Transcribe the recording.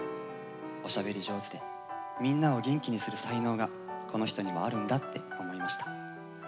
おしゃべり上手でみんなを元気にする才能がこの人にはあるんだって思いました。